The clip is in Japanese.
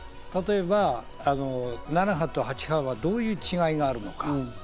例えば７波と８波はどういう違いがあるのか。